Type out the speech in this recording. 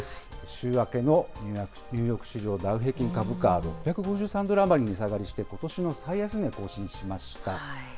週明けのニューヨーク市場ダウ平均株価、６５３ドル余り値下がりして、ことしの最安値更新しました。